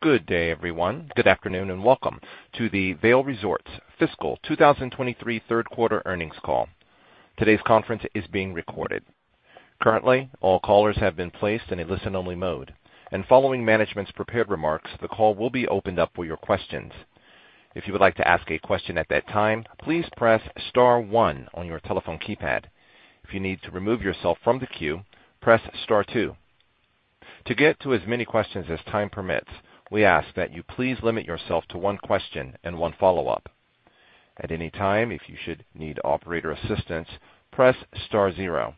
Good day, everyone. Good afternoon, welcome to the Vail Resorts Fiscal 2023 third Quarter Earnings call. Today's conference is being recorded. Currently, all callers have been placed in a listen-only mode, following management's prepared remarks, the call will be opened up for your questions. If you would like to ask a question at that time, please press star one on your telephone keypad. If you need to remove yourself from the queue, press star two. To get to as many questions as time permits, we ask that you please limit yourself to one question and one follow-up. At any time, if you should need operator assistance, press star zero.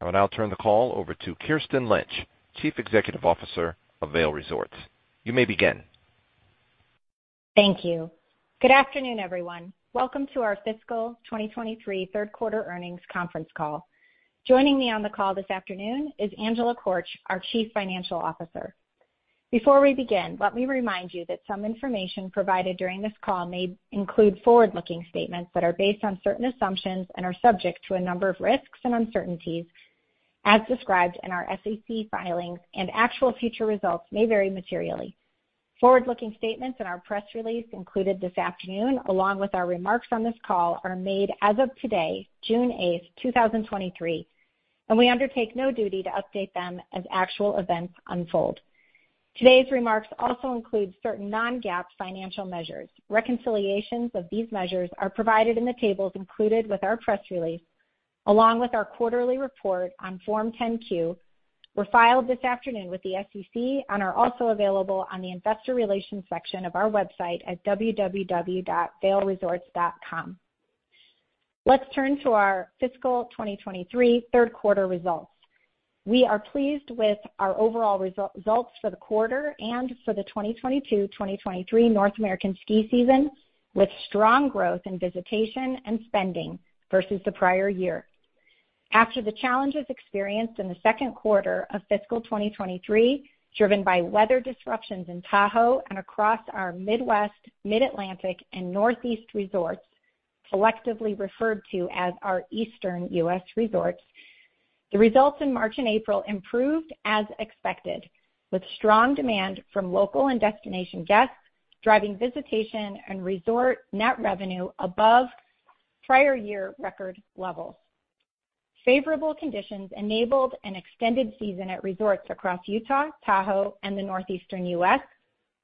I will now turn the call over to Kirsten Lynch, Chief Executive Officer of Vail Resorts. You may begin. Thank you. Good afternoon, everyone. Welcome to our fiscal 2023 3rd quarter earnings conference call. Joining me on the call this afternoon is Angela Korch, our Chief Financial Officer. Before we begin, let me remind you that some information provided during this call may include forward-looking statements that are based on certain assumptions and are subject to a number of risks and uncertainties as described in our SEC filings. Actual future results may vary materially. Forward-looking statements in our press release included this afternoon, along with our remarks on this call, are made as of today, June 8th, 2023. We undertake no duty to update them as actual events unfold. Today's remarks also include certain non-GAAP financial measures. Reconciliations of these measures are provided in the tables included with our press release, along with our quarterly report on Form 10-Q, were filed this afternoon with the SEC and are also available on the investor relations section of our website at www.vailresorts.com. Let's turn to our fiscal 2023 third quarter results. We are pleased with our overall results for the quarter and for the 2022, 2023 North American ski season, with strong growth in visitation and spending versus the prior year. After the challenges experienced in the 2nd quarter of fiscal 2023, driven by weather disruptions in Tahoe and across our Midwest, Mid-Atlantic, and Northeast resorts, collectively referred to as our Eastern U.S. resorts, the results in March and April improved as expected, with strong demand from local and destination guests, driving visitation and resort net revenue above prior year record levels. Favorable conditions enabled an extended season at resorts across Utah, Tahoe, and the Northeastern U.S.,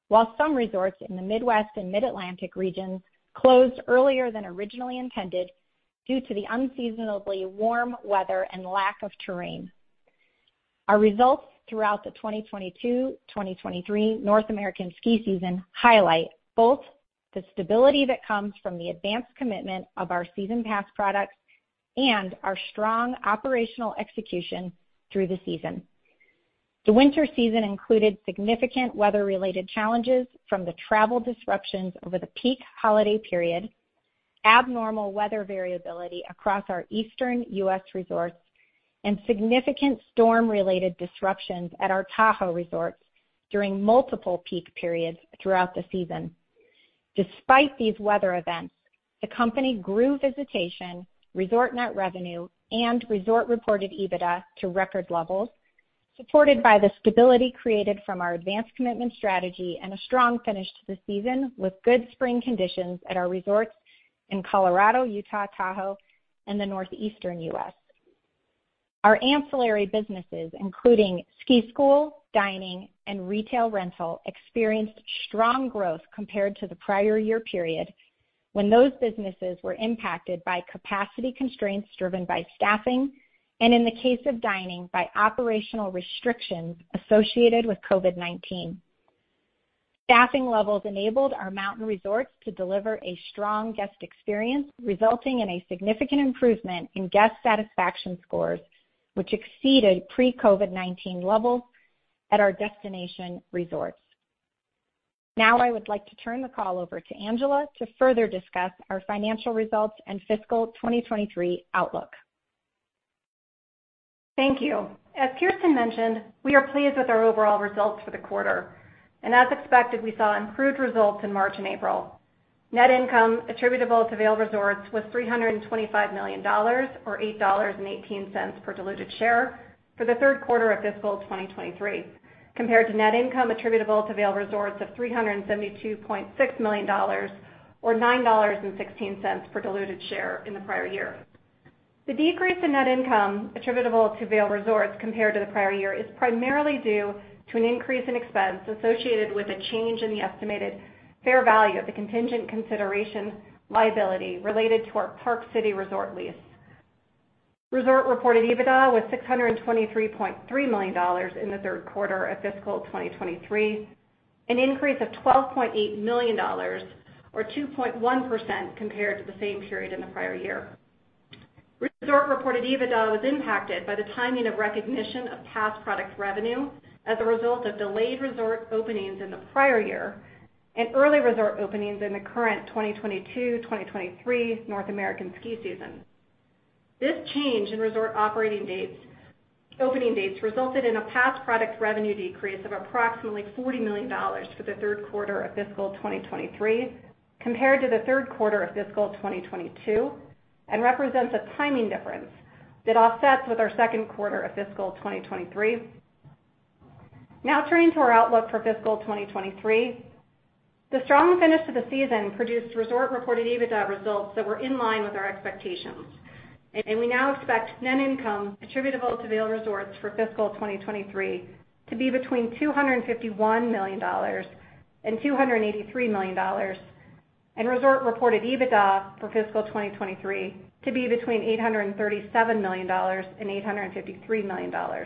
while some resorts in the Midwest and Mid-Atlantic regions closed earlier than originally intended due to the unseasonably warm weather and lack of terrain. Our results throughout the 2022, 2023 North American ski season highlight both the stability that comes from the advanced commitment of our season pass products and our strong operational execution through the season. The winter season included significant weather-related challenges from the travel disruptions over the peak holiday period, abnormal weather variability across our Eastern U.S. resorts, and significant storm-related disruptions at our Tahoe resorts during multiple peak periods throughout the season. Despite these weather events, the company grew visitation, resort net revenue, and Resort Reported EBITDA to record levels, supported by the stability created from our advanced commitment strategy and a strong finish to the season, with good spring conditions at our resorts in Colorado, Utah, Tahoe, and the Northeastern U.S. Our ancillary businesses, including ski school, dining, and retail rental, experienced strong growth compared to the prior year period, when those businesses were impacted by capacity constraints driven by staffing and, in the case of dining, by operational restrictions associated with COVID-19. Staffing levels enabled our mountain resorts to deliver a strong guest experience, resulting in a significant improvement in guest satisfaction scores, which exceeded pre-COVID-19 levels at our destination resorts. I would like to turn the call over to Angela to further discuss our financial results and fiscal 2023 outlook. Thank you. As Kirsten mentioned, we are pleased with our overall results for the quarter, as expected, we saw improved results in March and April. Net income attributable to Vail Resorts was $325 million, or $8.18 per diluted share for the 3rd quarter of fiscal 2023, compared to net income attributable to Vail Resorts of $372.6 million, or $9.16 per diluted share in the prior year. The decrease in net income attributable to Vail Resorts compared to the prior year is primarily due to an increase in expense associated with a change in the estimated fair value of the contingent consideration liability related to our Park City resort lease. Resort Reported EBITDA was $623.3 million in the 3rd quarter of fiscal 2023, an increase of $12.8 million, or 2.1% compared to the same period in the prior year. Resort Reported EBITDA was impacted by the timing of recognition of past product revenue as a result of delayed resort openings in the prior year and early resort openings in the current 2022, 2023 North American ski season. This change in resort opening dates resulted in a past product revenue decrease of approximately $40 million for the third quarter of fiscal 2023, compared to the third quarter of fiscal 2022, and represents a timing difference that offsets with our second quarter of fiscal 2023. Now turning to our outlook for fiscal 2023. The strong finish to the season produced Resort Reported EBITDA results that were in line with our expectations. We now expect net income attributable to Vail Resorts for fiscal 2023 to be between $251 million and $283 million, and Resort Reported EBITDA for fiscal 2023 to be between $837 million and $853 million.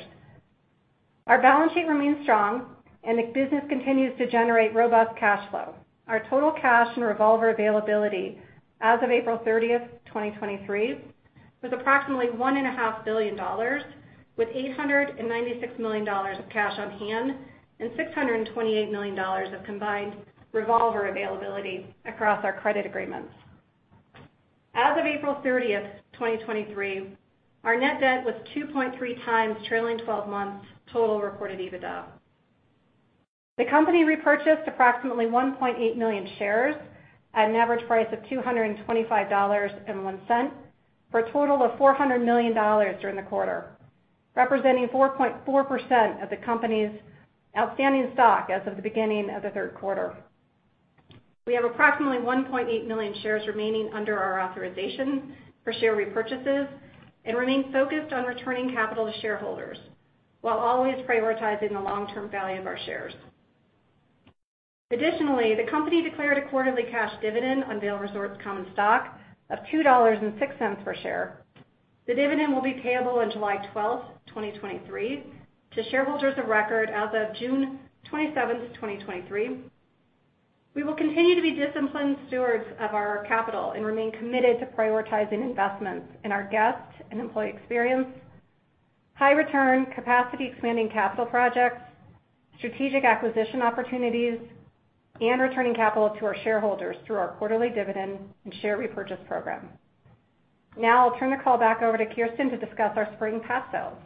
Our balance sheet remains strong. The business continues to generate robust cash flow. Our total cash and revolver availability as of April thirtieth, 2023, was approximately one and a half billion dollars, with $896 million of cash on hand and $628 million of combined revolver availability across our credit agreements. As of April thirtieth, 2023, our net debt was 2.3x trailing twelve months total reported EBITDA. The company repurchased approximately 1.8 million shares at an average price of $225.01, for a total of $400 million during the quarter, representing 4.4% of the company's outstanding stock as of the beginning of the third quarter. We have approximately 1.8 million shares remaining under our authorization for share repurchases and remain focused on returning capital to shareholders, while always prioritizing the long-term value of our shares. Additionally, the company declared a quarterly cash dividend on Vail Resorts common stock of $2.06 per share. The dividend will be payable on July 12, 2023, to shareholders of record as of June 27, 2023. We will continue to be disciplined stewards of our capital and remain committed to prioritizing investments in our guest and employee experience, high return, capacity expanding capital projects, strategic acquisition opportunities, and returning capital to our shareholders through our quarterly dividend and share repurchase program. I'll turn the call back over to Kirsten to discuss our spring pass sales.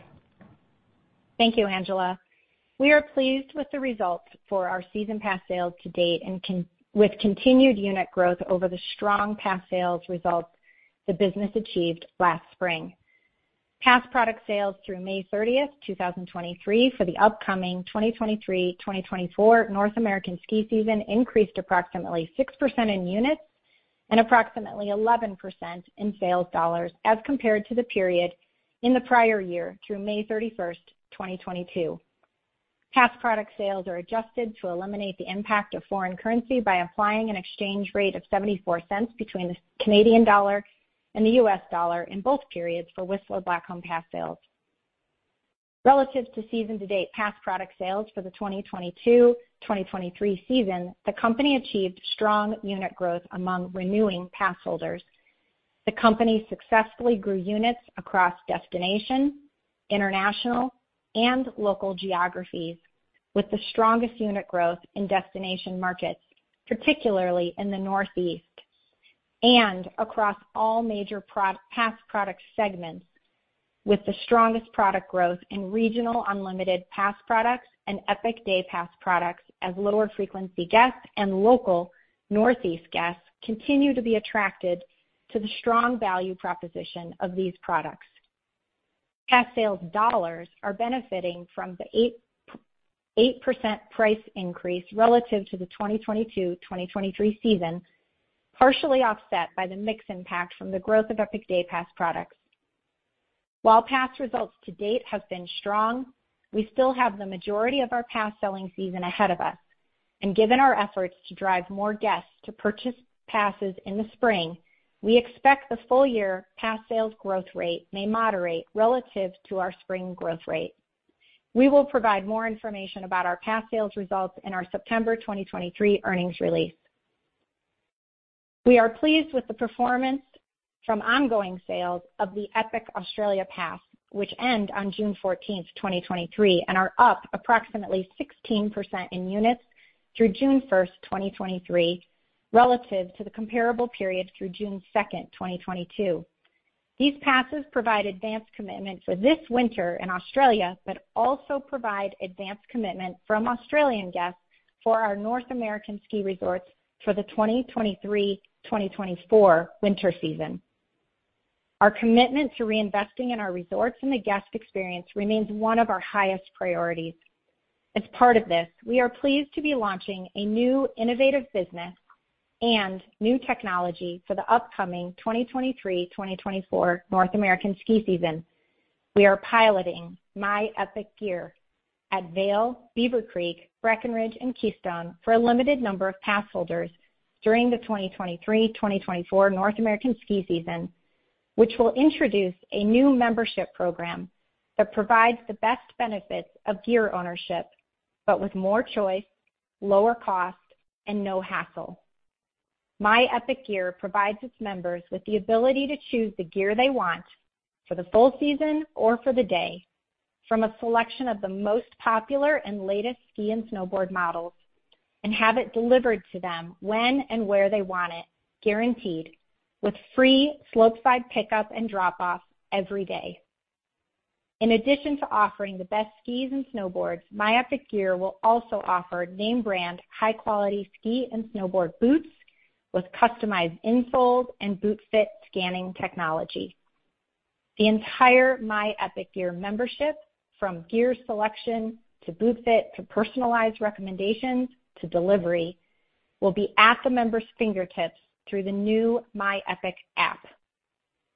Thank you, Angela. We are pleased with the results for our season pass sales to date and with continued unit growth over the strong pass sales results the business achieved last spring. Pass product sales through May 30, 2023, for the upcoming 2023/2024 North American ski season increased approximately 6% in units and approximately 11% in sales dollars as compared to the period in the prior year through May 31, 2022. Pass product sales are adjusted to eliminate the impact of foreign currency by applying an exchange rate of $0.74 between the Canadian dollar and the U.S. dollar in both periods for Whistler Blackcomb pass sales. Relative to season-to-date pass product sales for the 2022/2023 season, the company achieved strong unit growth among renewing pass holders. The company successfully grew units across destination, international, and local geographies, with the strongest unit growth in destination markets, particularly in the Northeast, and across all major pass product segments, with the strongest product growth in regional unlimited pass products and Epic Day Pass products, as lower frequency guests and local Northeast guests continue to be attracted to the strong value proposition of these products. Pass sales dollars are benefiting from the 8% price increase relative to the 2022/2023 season, partially offset by the mix impact from the growth of Epic Day Pass products. While pass results to date have been strong, we still have the majority of our pass-selling season ahead of us, and given our efforts to drive more guests to purchase passes in the spring, we expect the full year pass sales growth rate may moderate relative to our spring growth rate. We will provide more information about our pass sales results in our September 2023 earnings release. We are pleased with the performance from ongoing sales of the Epic Australia Pass, which end on June 14th, 2023, and are up approximately 16% in units through June 1st, 2023, relative to the comparable period through June 2nd, 2022. These passes provide advanced commitment for this winter in Australia, but also provide advanced commitment from Australian guests for our North American ski resorts for the 2023/2024 winter season. Our commitment to reinvesting in our resorts and the guest experience remains one of our highest priorities. As part of this, we are pleased to be launching a new innovative business and new technology for the upcoming 2023/2024 North American ski season. We are piloting My Epic Gear at Vail, Beaver Creek, Breckenridge, and Keystone for a limited number of pass holders during the 2023/2024 North American ski season, which will introduce a new membership program that provides the best benefits of gear ownership, but with more choice, lower cost, and no hassle. My Epic Gear provides its members with the ability to choose the gear they want for the full season or for the day, from a selection of the most popular and latest ski and snowboard models, and have it delivered to them when and where they want it, guaranteed, with free slope-side pickup and drop-off every day. In addition to offering the best skis and snowboards, My Epic Gear will also offer name brand, high-quality ski and snowboard boots with customized insoles and boot fit scanning technology. The entire My Epic Gear membership, from gear selection to boot fit, to personalized recommendations, to delivery, will be at the member's fingertips through the new My Epic app.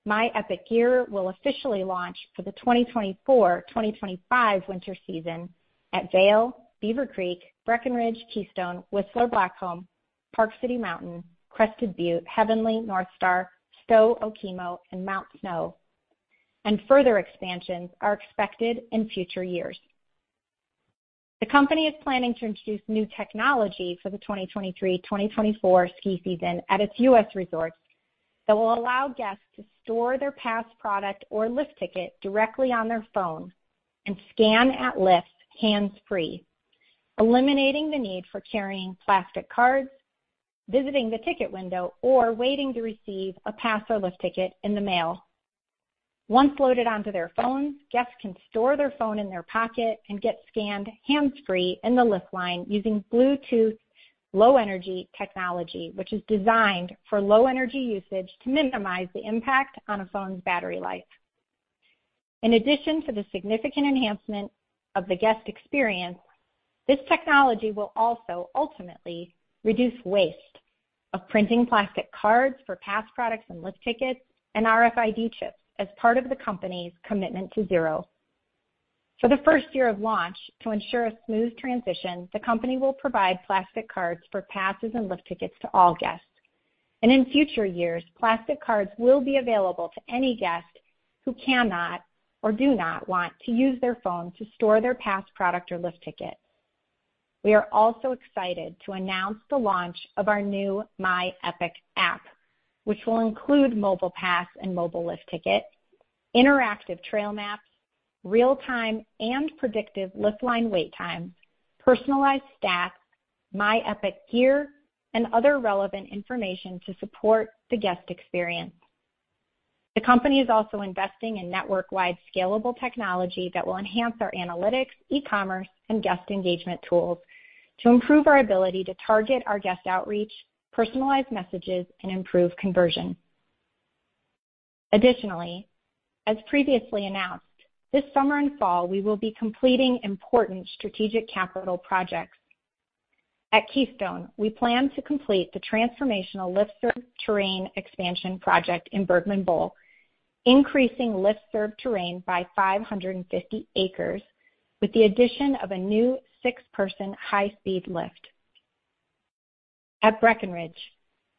My Epic Gear will officially launch for the 2024/2025 winter season at Vail, Beaver Creek, Breckenridge, Keystone, Whistler Blackcomb, Park City Mountain, Crested Butte, Heavenly, Northstar, Stowe, Okemo, and Mount Snow, and further expansions are expected in future years. The company is planning to introduce new technology for the 2023/2024 ski season at its U.S. resorts that will allow guests to store their pass product or lift ticket directly on their phone and scan at lifts hands-free, eliminating the need for carrying plastic cards, visiting the ticket window, or waiting to receive a pass or lift ticket in the mail. Once loaded onto their phones, guests can store their phone in their pocket and get scanned hands-free in the lift line using Bluetooth Low Energy technology, which is designed for low energy usage to minimize the impact on a phone's battery life. In addition to the significant enhancement of the guest experience, this technology will also ultimately reduce waste of printing plastic cards for pass products and lift tickets and RFID chips as part of the company's Commitment to Zero. For the first year of launch, to ensure a smooth transition, the company will provide plastic cards for passes and lift tickets to all guests. In future years, plastic cards will be available to any guest who cannot or do not want to use their phone to store their pass product or lift ticket. We are also excited to announce the launch of our new My Epic app, which will include mobile pass and mobile lift ticket, interactive trail maps, real-time and predictive lift line wait time, personalized stats, My Epic Gear, and other relevant information to support the guest experience. The company is also investing in network-wide scalable technology that will enhance our analytics, e-commerce, and guest engagement tools to improve our ability to target our guest outreach, personalize messages, and improve conversion. Additionally, as previously announced, this summer and fall, we will be completing important strategic capital projects. At Keystone, we plan to complete the transformational lift-served terrain expansion project in Bergman Bowl, increasing lift-served terrain by 550 acres, with the addition of a new 6-person high-speed lift. At Breckenridge,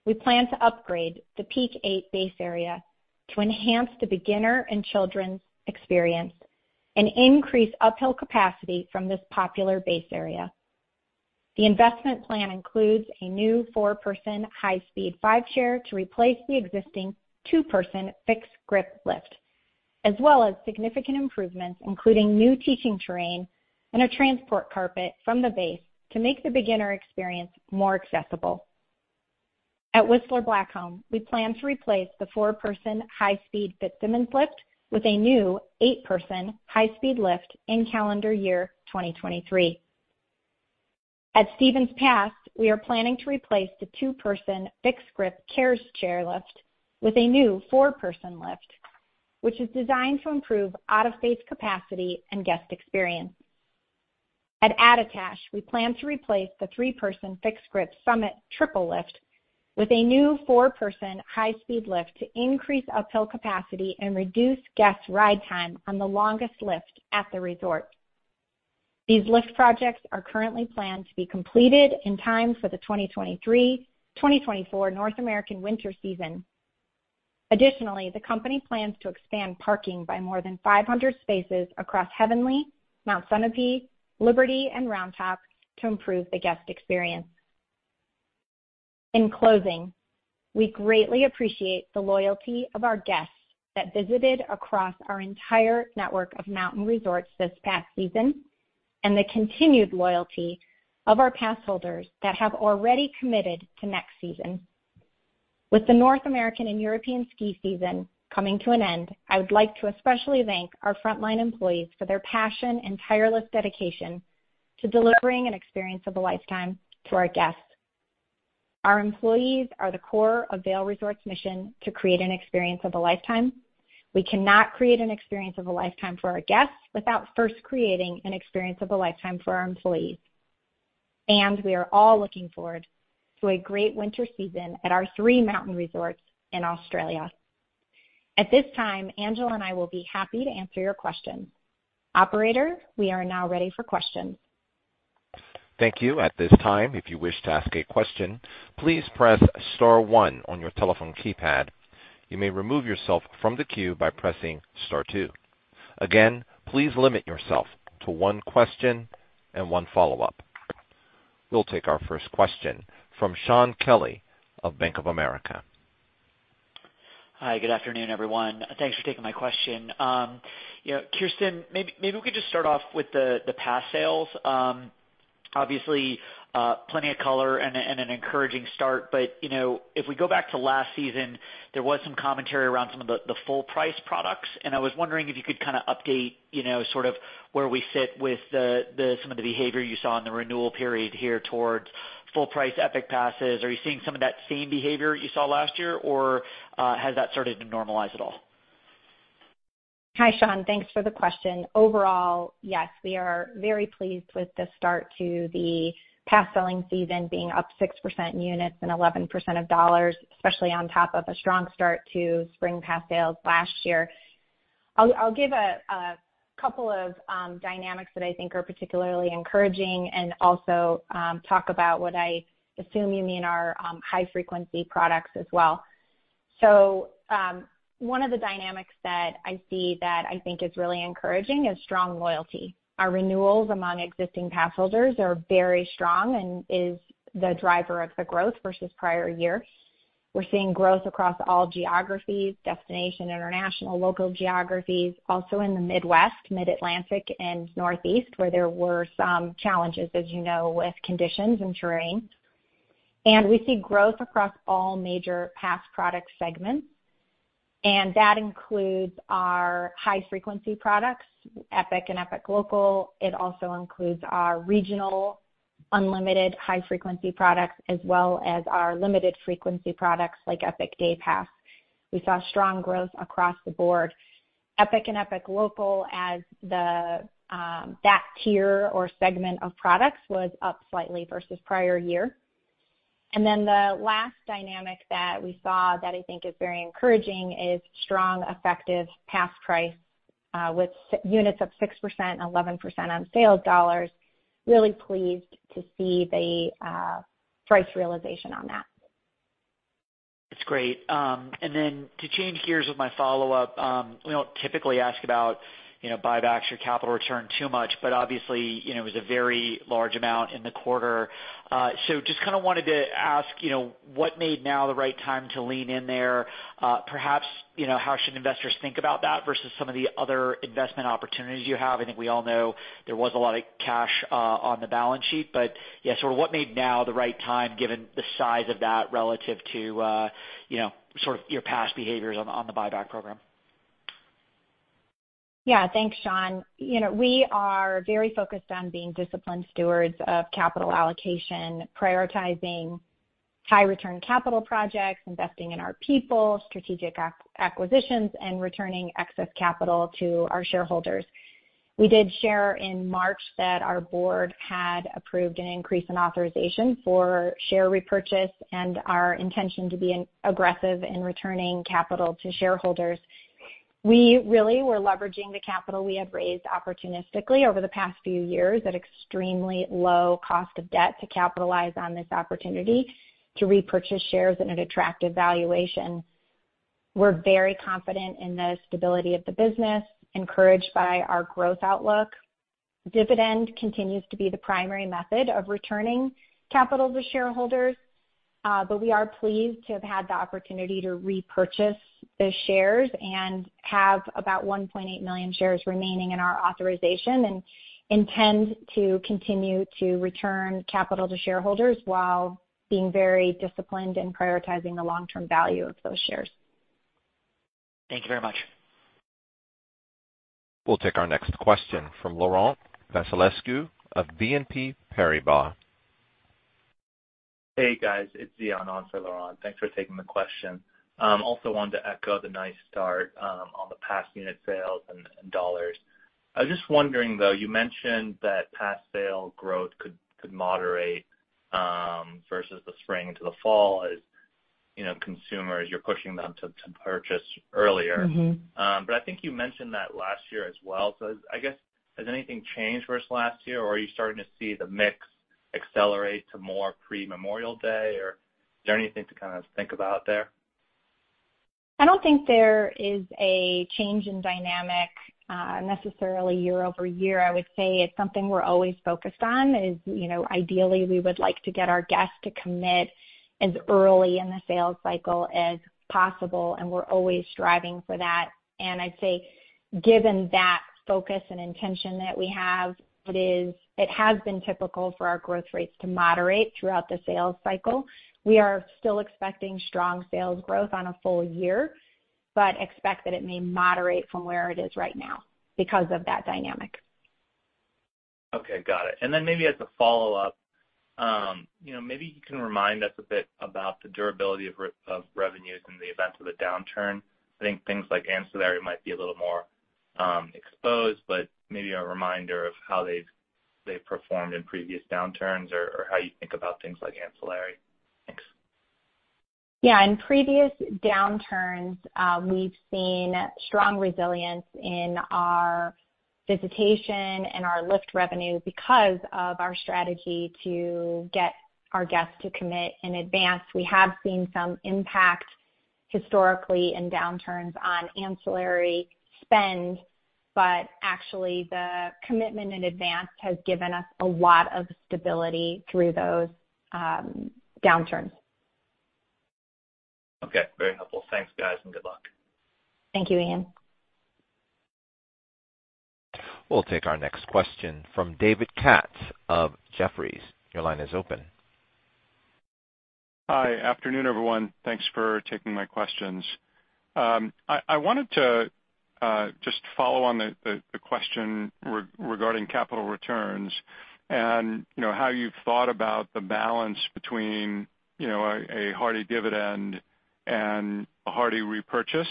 we plan to upgrade the Peak Eight base area to enhance the beginner and children's experience and increase uphill capacity from this popular base area. The investment plan includes a new 4-person high-speed 5 chair to replace the existing 2-person fixed grip lift, as well as significant improvements, including new teaching terrain and a transport carpet from the base to make the beginner experience more accessible. At Whistler Blackcomb, we plan to replace the 4-person high-speed Fitzsimmons lift with a new 8-person high-speed lift in calendar year 2023. At Stevens Pass, we are planning to replace the 2-person fixed grip chair lift with a new 4-person lift, which is designed to improve out-of-face capacity and guest experience. At Attitash, we plan to replace the 3-person fixed grip summit triple lift with a new 4-person high-speed lift to increase uphill capacity and reduce guest ride time on the longest lift at the resort. These lift projects are currently planned to be completed in time for the 2023/2024 North American winter season. Additionally, the company plans to expand parking by more than 500 spaces across Heavenly, Mount Sunapee, Liberty, and Roundtop to improve the guest experience. In closing, we greatly appreciate the loyalty of our guests that visited across our entire network of mountain resorts this past season, and the continued loyalty of our pass holders that have already committed to next season. With the North American and European ski season coming to an end, I would like to especially thank our frontline employees for their passion and tireless dedication to delivering an experience of a lifetime to our guests. Our employees are the core of Vail Resorts' mission to create an experience of a lifetime. We cannot create an experience of a lifetime for our guests without first creating an experience of a lifetime for our employees. We are all looking forward to a great winter season at our three mountain resorts in Australia. At this time, Angela and I will be happy to answer your questions. Operator, we are now ready for questions. Thank you. At this time, if you wish to ask a question, please press star one on your telephone keypad. You may remove yourself from the queue by pressing star two. Please limit yourself to one question and one follow-up. We'll take our first question from Shaun Kelley of Bank of America. Hi, good afternoon, everyone. Thanks for taking my question. you know, Kirsten, maybe we could just start off with the pass sales. Obviously, plenty of color and an encouraging start. You know, if we go back to last season, there was some commentary around some of the full price products? I was wondering if you could kind of update, you know, sort of where we sit with the some of the behavior you saw in the renewal period here towards full price Epic passes. Are you seeing some of that same behavior you saw last year, or has that started to normalize at all? Hi, Shaun, thanks for the question. Overall, yes, we are very pleased with the start to the pass selling season being up 6% in units and 11% of dollars, especially on top of a strong start to spring pass sales last year. I'll give a couple of dynamics that I think are particularly encouraging and also talk about what I assume you mean our high frequency products as well. One of the dynamics that I see that I think is really encouraging is strong loyalty. Our renewals among existing pass holders are very strong and is the driver of the growth versus prior year. We're seeing growth across all geographies, destination, international, local geographies, also in the Midwest, Mid-Atlantic, and Northeast, where there were some challenges, as you know, with conditions and terrain. We see growth across all major pass product segments, and that includes our high frequency products, Epic and Epic Local. It also includes our regional unlimited high frequency products as well as our limited frequency products, like Epic Day Pass. We saw strong growth across the board. Epic and Epic Local as that tier or segment of products was up slightly versus prior year. The last dynamic that we saw that I think is very encouraging is strong, effective pass price, with units up 6% and 11% on sales dollars. Really pleased to see price realization on that. That's great. To change gears with my follow-up, we don't typically ask about, you know, buybacks or capital return too much, but obviously, you know, it was a very large amount in the quarter. Just kind of wanted to ask, you know, what made now the right time to lean in there? Perhaps, you know, how should investors think about that versus some of the other investment opportunities you have? I think we all know there was a lot of cash on the balance sheet, but, yeah, what made now the right time, given the size of that relative to, you know, sort of your past behaviors on the, on the buyback program? Yeah, thanks, Shaun. You know, we are very focused on being disciplined stewards of capital allocation, prioritizing high return capital projects, investing in our people, strategic acquisitions, and returning excess capital to our shareholders. We did share in March that our board had approved an increase in authorization for share repurchase and our intention to be an aggressive in returning capital to shareholders. We really were leveraging the capital we had raised opportunistically over the past few years at extremely low cost of debt to capitalize on this opportunity to repurchase shares at an attractive valuation. We're very confident in the stability of the business, encouraged by our growth outlook. Dividend continues to be the primary method of returning capital to shareholders, but we are pleased to have had the opportunity to repurchase the shares and have about 1.8 million shares remaining in our authorization, and intend to continue to return capital to shareholders while being very disciplined in prioritizing the long-term value of those shares. Thank you very much. We'll take our next question from Laurent Vasilescu of BNP Paribas. Hey, guys, it's Laurent. Thanks for taking the question. Also wanted to echo the nice start on the pass unit sales and dollars. I was just wondering, though, you mentioned that pass sale growth could moderate versus the spring to the fall, as, you know, consumers, you're pushing them to purchase earlier. Mm-hmm. I think you mentioned that last year as well. I guess, has anything changed versus last year, or are you starting to see the mix accelerate to more pre-Memorial Day, or is there anything to kind of think about there? I don't think there is a change in dynamic, necessarily year-over-year. I would say it's something we're always focused on. As, you know, ideally, we would like to get our guests to commit as early in the sales cycle as possible, and we're always striving for that. I'd say, given that focus and intention that we have, it has been typical for our growth rates to moderate throughout the sales cycle. We are still expecting strong sales growth on a full year, but expect that it may moderate from where it is right now because of that dynamic. Okay, got it. Then maybe as a follow-up, you know, maybe you can remind us a bit about the durability of revenues in the event of a downturn? I think things like ancillary might be a little more exposed, but maybe a reminder of how they've performed in previous downturns or how you think about things like ancillary? Thanks. In previous downturns, we've seen strong resilience in our visitation and our lift revenue because of our strategy to get our guests to commit in advance. We have seen some impact historically in downturns on ancillary spend, but actually, the commitment in advance has given us a lot of stability through those downturns. Okay, very helpful. Thanks, guys. Good luck. Thank you, Ian. We'll take our next question from David Katz of Jefferies. Your line is open. Hi. Afternoon, everyone. Thanks for taking my questions. I wanted to just follow on the question regarding capital returns and, you know, how you've thought about the balance between, you know, a hearty dividend and a hearty repurchase?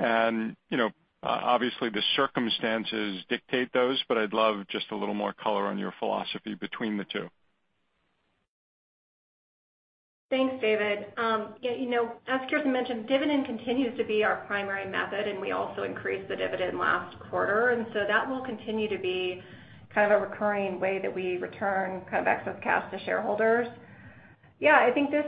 You know, obviously, the circumstances dictate those, but I'd love just a little more color on your philosophy between the two. Thanks, David. Yeah, you know, as Kirsten mentioned, dividend continues to be our primary method. We also increased the dividend last quarter, and that will continue to be kind of a recurring way that we return kind of excess cash to shareholders. Yeah, I think this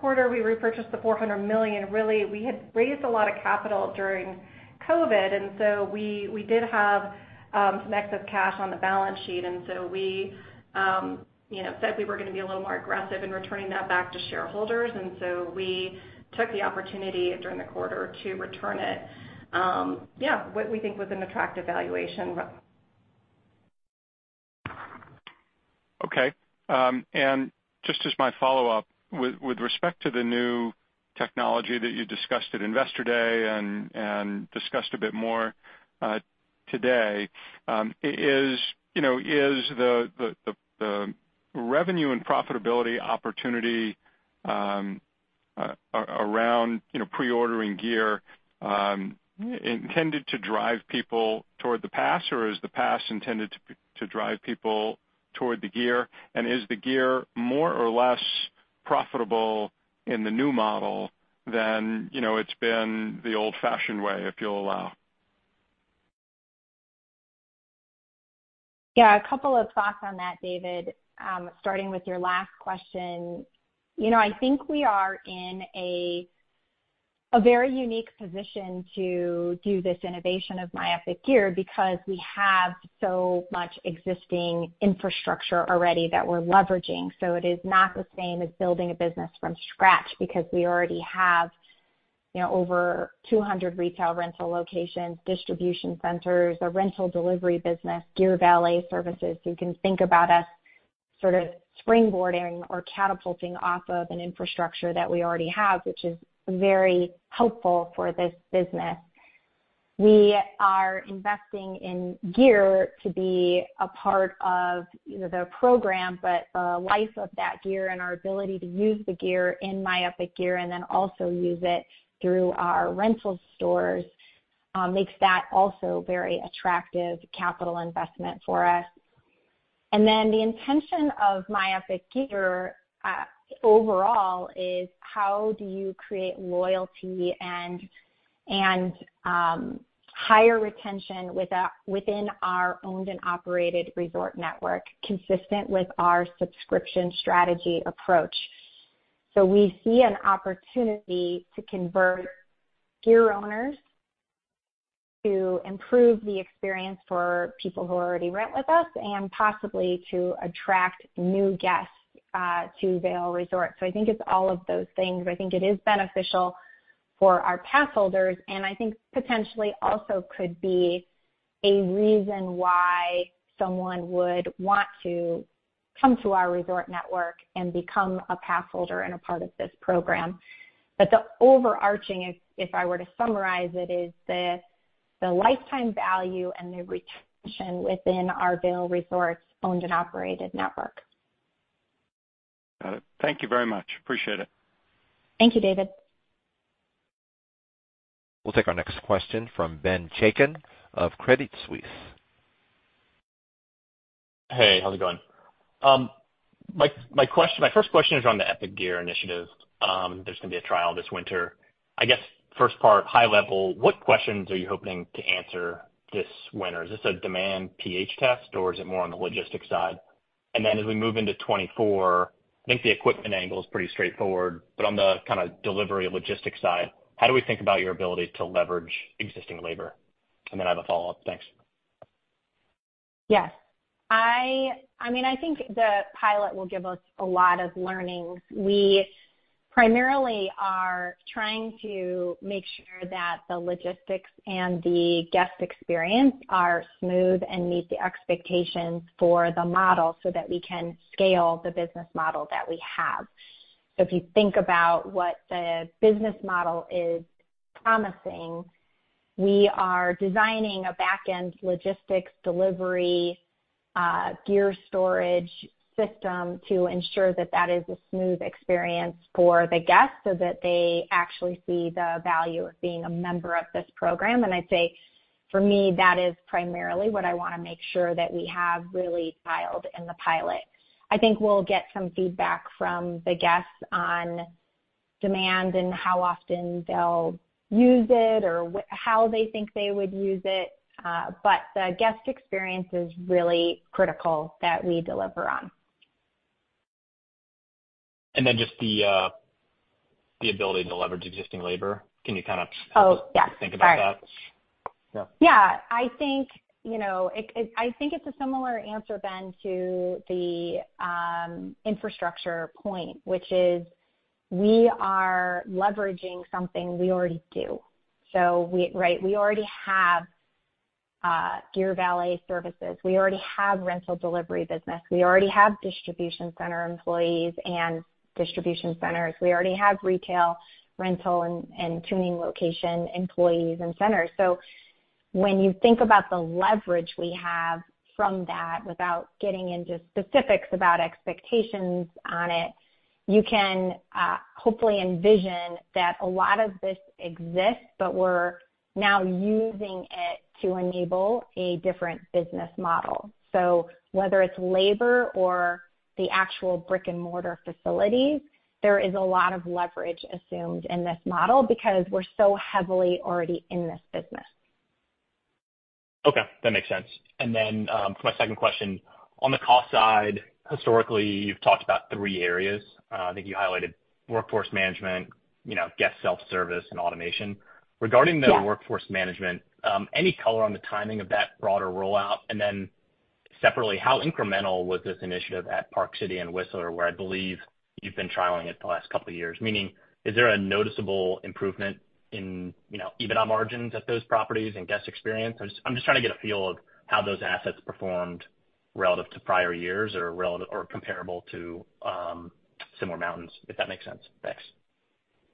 quarter, we repurchased the $400 million. Really, we had raised a lot of capital during COVID. We did have some excess cash on the balance sheet. We, you know, said we were gonna be a little more aggressive in returning that back to shareholders. We took the opportunity during the quarter to return it, yeah, what we think was an attractive valuation. Okay. Just as my follow-up, with respect to the new technology that you discussed at Investor Day and discussed a bit more today, is, you know, is the revenue and profitability opportunity around, you know, pre-ordering gear intended to drive people toward the pass, or is the pass intended to drive people toward the gear? Is the gear more or less profitable in the new model than, you know, it's been the old-fashioned way, if you'll allow? Yeah, a couple of thoughts on that, David. Starting with your last question, you know, I think we are in a very unique position to do this innovation of My Epic Gear because we have so much existing infrastructure already that we're leveraging. It is not the same as building a business from scratch because we already have, you know, over 200 retail rental locations, distribution centers, a rental delivery business, gear valet services. You can think about us sort of springboarding or catapulting off of an infrastructure that we already have, which is very helpful for this business. We are investing in gear to be a part of, you know, the program, but the life of that gear and our ability to use the gear in My Epic Gear and then also use it through our rental stores, makes that also very attractive capital investment for us. The intention of My Epic Gear overall is how do you create loyalty and higher retention within our owned and operated resort network, consistent with our subscription strategy approach? We see an opportunity to convert gear owners, to improve the experience for people who already rent with us, and possibly to attract new guests to Vail Resorts. I think it's all of those things. I think it is beneficial for our pass holders, I think potentially also could be a reason why someone would want to come to our resort network and become a pass holder and a part of this program. The overarching, if I were to summarize it, is the lifetime value and the retention within our Vail Resorts owned and operated network. Got it. Thank you very much. Appreciate it. Thank you, David. We'll take our next question from Ben Chaiken of Credit Suisse. Hey, how's it going? My first question is on the Epic Gear initiative. There's gonna be a trial this winter. I guess, first part, high level, what questions are you hoping to answer this winter? Is this a demand pH test, or is it more on the logistics side? As we move into 2024, I think the equipment angle is pretty straightforward, but on the kind of delivery logistics side, how do we think about your ability to leverage existing labor? I have a follow-up. Thanks. Yes. I mean, I think the pilot will give us a lot of learnings. We primarily are trying to make sure that the logistics and the guest experience are smooth and meet the expectations for the model so that we can scale the business model that we have. If you think about what the business model is promising, we are designing a back-end logistics delivery, gear storage system to ensure that that is a smooth experience for the guests so that they actually see the value of being a member of this program. I'd say, for me, that is primarily what I wanna make sure that we have really dialed in the pilot. I think we'll get some feedback from the guests on demand and how often they'll use it or how they think they would use it. The guest experience is really critical that we deliver on. Just the ability to leverage existing labor. Can you? Oh, yeah. Think about that? Yeah, I think, you know, I think it's a similar answer, Ben, to the infrastructure point, which is we are leveraging something we already do. We already have gear valet services. We already have rental delivery business. We already have distribution center employees and distribution centers. We already have retail, rental, and tuning location employees and centers. When you think about the leverage we have from that, without getting into specifics about expectations on it, you can hopefully envision that a lot of this exists, but we're now using it to enable a different business model. Whether it's labor or the actual brick-and-mortar facilities, there is a lot of leverage assumed in this model because we're so heavily already in this business. Okay, that makes sense. For my second question, on the cost side, historically, you've talked about three areas. I think you highlighted workforce management, you know, guest self-service, and automation. Yeah. Regarding the workforce management, any color on the timing of that broader rollout? Separately, how incremental was this initiative at Park City and Whistler, where I believe you've been trialing it the last couple of years? Meaning, is there a noticeable improvement in, you know, EBITDA margins at those properties and guest experience? I'm just trying to get a feel of how those assets performed relative to prior years or relative or comparable to, similar mountains, if that makes sense. Thanks.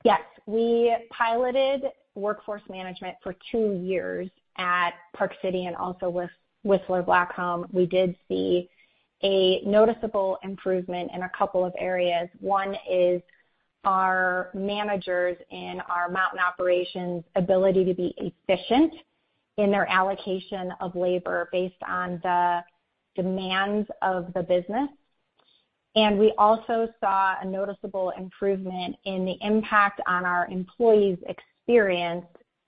Yes. We piloted workforce management for two years at Park City and also with Whistler Blackcomb. We did see a noticeable improvement in a couple of areas. One is our managers and our mountain operations ability to be efficient in their allocation of labor based on the demands of the business. We also saw a noticeable improvement in the impact on our employees' experience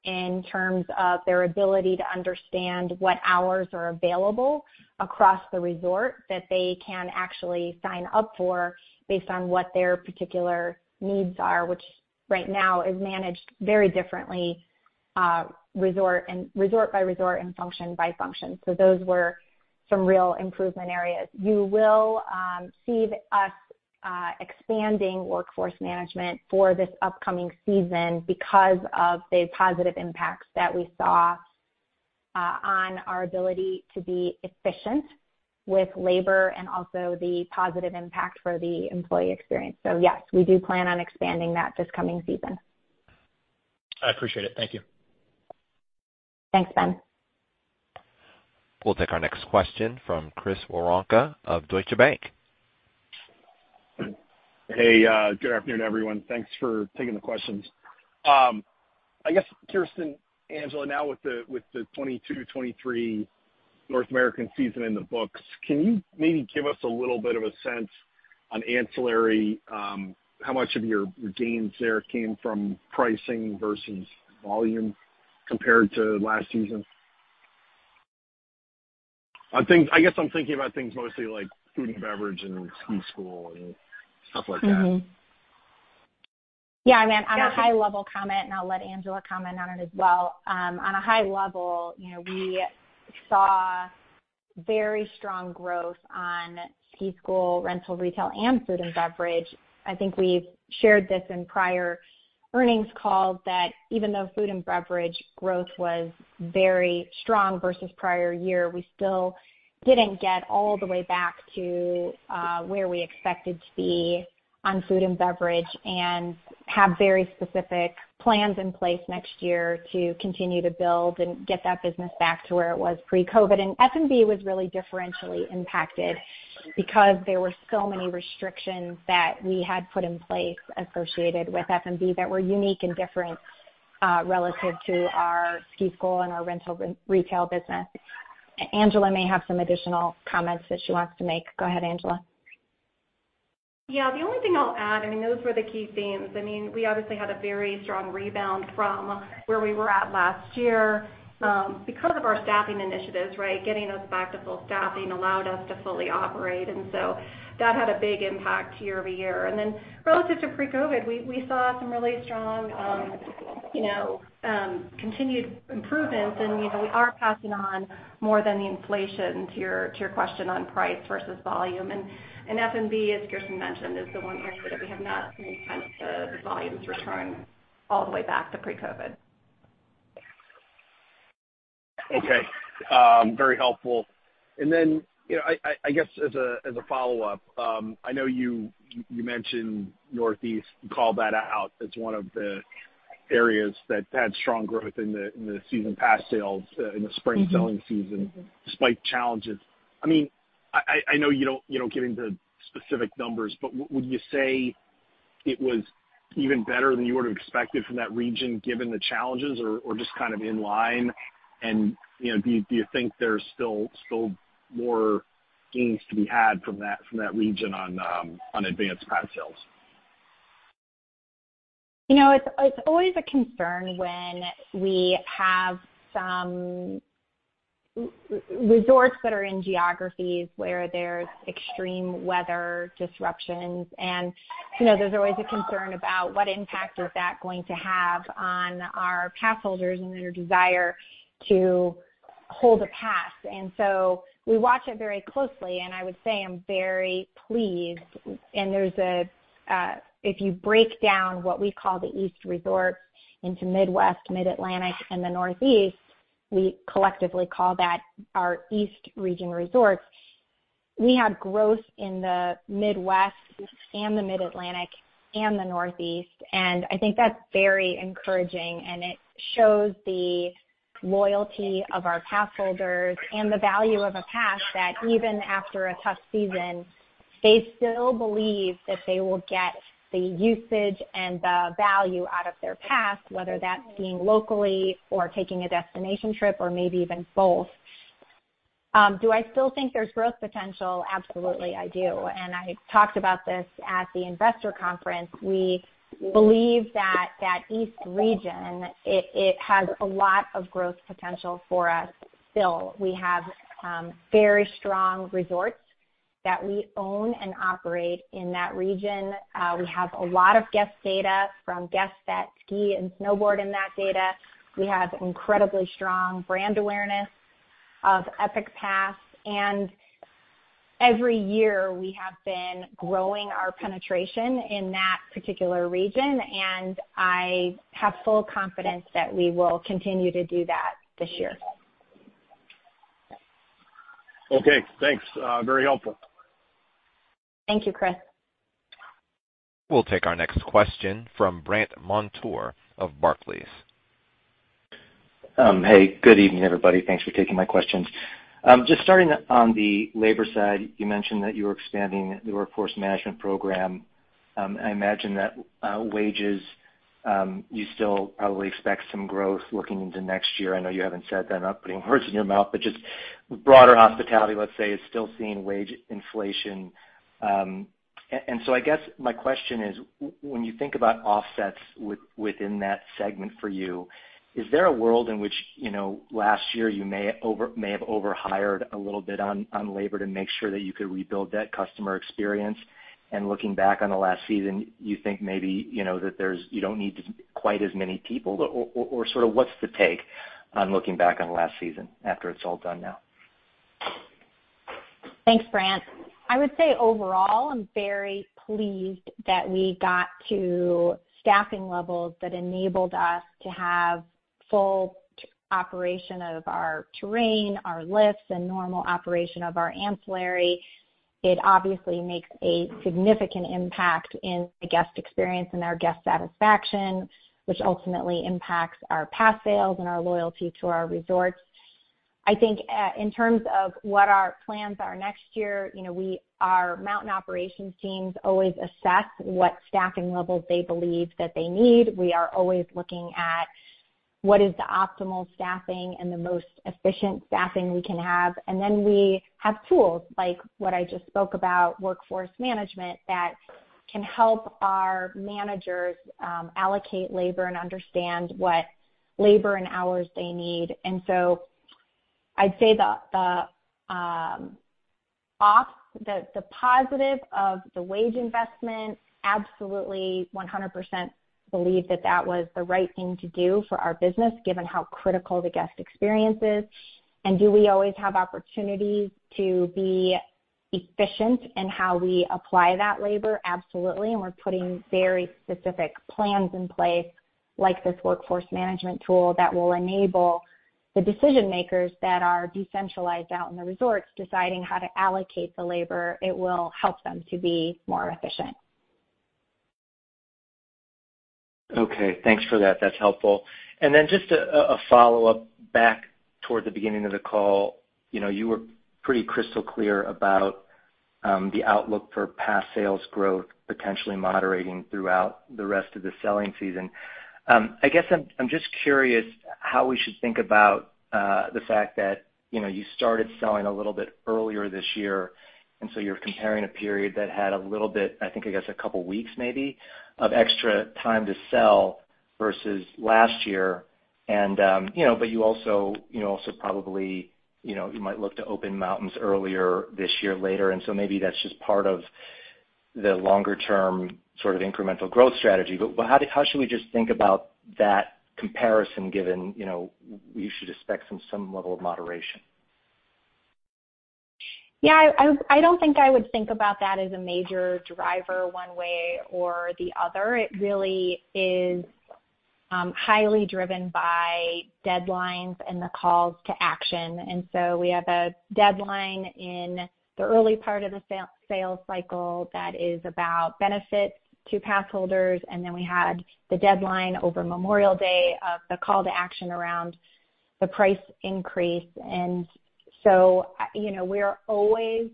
in terms of their ability to understand what hours are available across the resort that they can actually sign up for based on what their particular needs are, which right now is managed very differently, resort by resort and function by function. Those were some real improvement areas. You will see us expanding workforce management for this upcoming season because of the positive impacts that we saw on our ability to be efficient with labor and also the positive impact for the employee experience. Yes, we do plan on expanding that this coming season. I appreciate it. Thank you. Thanks, Ben. We'll take our next question from Chris Woronka of Deutsche Bank. Good afternoon, everyone. Thanks for taking the questions. I guess, Kirsten, Angela, now with the 2022, 2023 North American season in the books, can you maybe give us a little bit of a sense on ancillary, how much of your gains there came from pricing versus volume compared to last season? I guess I'm thinking about things mostly like food and beverage and ski school and stuff like that. I mean, on a high level comment, and I'll let Angela comment on it as well. On a high level, you know, we saw very strong growth on ski school, rental, retail, and food and beverage. I think we've shared this in prior earnings calls that even though food and beverage growth was very strong versus prior year, we still didn't get all the way back to where we expected to be on food and beverage and have very specific plans in place next year to continue to build and get that business back to where it was pre-COVID. F&B was really differentially impacted because there were so many restrictions that we had put in place associated with F&B that were unique and different relative to our ski school and our rental retail business. Angela may have some additional comments that she wants to make. Go ahead, Angela. The only thing I'll add, I mean, those were the key themes. I mean, we obviously had a very strong rebound from where we were at last year, because of our staffing initiatives, right? Getting us back to full staffing allowed us to fully operate, that had a big impact year-over-year. Then relative to pre-COVID, we saw some really strong, you know, continued improvements, and, you know, we are passing on more than the inflation, to your, to your question on price versus volume. F&B, as Kirsten mentioned, is the one area that we have not seen kind of the volumes return all the way back to pre-COVID. Okay. Very helpful. You know, I guess as a follow-up, I know you mentioned Northeast. You called that out as one of the areas that had strong growth in the season pass sales in the spring selling season. Mm-hmm Despite challenges. I mean, I know you don't, you know, get into specific numbers, but would you say it was even better than you would have expected from that region, given the challenges, or just kind of in line? You know, do you think there's still more gains to be had from that region on advanced pass sales? You know, it's always a concern when we have some resorts that are in geographies where there's extreme weather disruptions. You know, there's always a concern about what impact is that going to have on our pass holders and their desire to hold a pass. We watch it very closely, and I would say I'm very pleased. There's a, if you break down what we call the East Resorts into Midwest, Mid-Atlantic, and the Northeast, we collectively call that our East Region Resorts. We had growth in the Midwest and the Mid-Atlantic and the Northeast, and I think that's very encouraging, and it shows the loyalty of our pass holders and the value of a pass, that even after a tough season, they still believe that they will get the usage and the value out of their pass, whether that's being locally or taking a destination trip or maybe even both. Do I still think there's growth potential? Absolutely, I do. I talked about this at the investor conference. We believe that that East region, it has a lot of growth potential for us still. We have very strong resorts that we own and operate in that region. We have a lot of guest data from guests that ski and snowboard in that data. We have incredibly strong brand awareness of Epic Pass, and every year, we have been growing our penetration in that particular region, and I have full confidence that we will continue to do that this year. Okay, thanks. very helpful. Thank you, Chris. We'll take our next question from Brandt Montour of Barclays. Hey, good evening, everybody. Thanks for taking my questions. Just starting on the labor side, you mentioned that you were expanding the workforce management program. I imagine that wages, you still probably expect some growth looking into next year. I know you haven't said that. I'm not putting words in your mouth, but just broader hospitality, let's say, is still seeing wage inflation. I guess my question is, when you think about offsets within that segment for you, is there a world in which, you know, last year you may have over hired a little bit on labor to make sure that you could rebuild that customer experience? Looking back on the last season, you think maybe, you know, that you don't need quite as many people, or, sort of what's the take on looking back on last season after it's all done now? Thanks, Brandt. I would say overall, I'm very pleased that we got to staffing levels that enabled us to have full operation of our terrain, our lifts, and normal operation of our ancillary. It obviously makes a significant impact in the guest experience and our guest satisfaction, which ultimately impacts our pass sales and our loyalty to our resorts. I think, in terms of what our plans are next year, you know, our mountain operations teams always assess what staffing levels they believe that they need. We are always looking at what is the optimal staffing and the most efficient staffing we can have. Then we have tools, like what I just spoke about, workforce management, that can help our managers allocate labor and understand what labor and hours they need. I'd say the positive of the wage investment, absolutely 100% believe that that was the right thing to do for our business, given how critical the guest experience is. Do we always have opportunities to be efficient in how we apply that labor? Absolutely. We're putting very specific plans in place, like this workforce management tool, that will enable the decision makers that are decentralized out in the resorts, deciding how to allocate the labor, it will help them to be more efficient. Okay, thanks for that. That's helpful. Just a follow-up back toward the beginning of the call. You know, you were pretty crystal clear about the outlook for pass sales growth potentially moderating throughout the rest of the selling season. I guess I'm just curious how we should think about the fact that, you know, you started selling a little bit earlier this year, you're comparing a period that had a little bit, I think, I guess, a couple weeks maybe, of extra time to sell versus last year. You know, you also, you know, also probably, you know, you might look to open mountains earlier this year, later, maybe that's just part of the longer term sort of incremental growth strategy. How should we just think about that comparison, given, you know, we should expect some level of moderation? Yeah, I don't think I would think about that as a major driver one way or the other. It really is highly driven by deadlines and the calls to action. We have a deadline in the early part of the sales cycle that is about benefits to pass holders, and then we had the deadline over Memorial Day of the call to action around the price increase. You know, we're always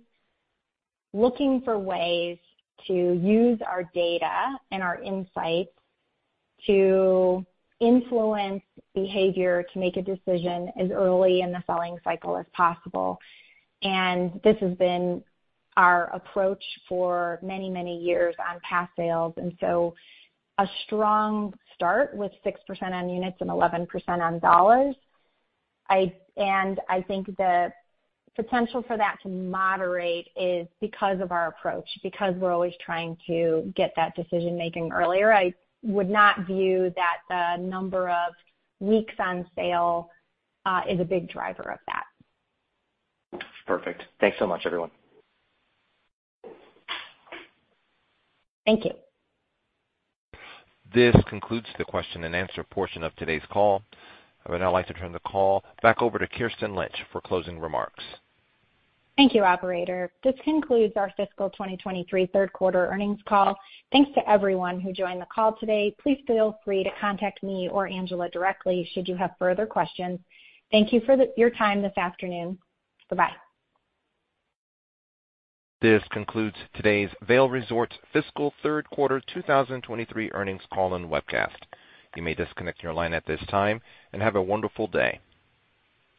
looking for ways to use our data and our insights to influence behavior, to make a decision as early in the selling cycle as possible. This has been our approach for many, many years on pass sales, so a strong start with 6% on units and 11% on dollars. I think the potential for that to moderate is because of our approach, because we're always trying to get that decision-making earlier. I would not view that the number of weeks on sale is a big driver of that. Perfect. Thanks so much, everyone. Thank you. This concludes the question and answer portion of today's call. I would now like to turn the call back over to Kirsten Lynch for closing remarks. Thank you, operator. This concludes our fiscal 2023 third quarter earnings call. Thanks to everyone who joined the call today. Please feel free to contact me or Angela directly, should you have further questions. Thank you for your time this afternoon. Bye-bye. This concludes today's Vail Resorts fiscal 3rd quarter 2023 earnings call and webcast. You may disconnect your line at this time. Have a wonderful day.